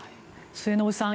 末延さん